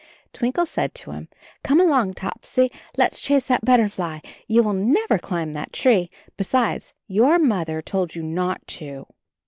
Twinkle said to him, "Come along, Topsy, let's chase that butterfly — ^you will never climb that tree. Besides, your mother told you not to."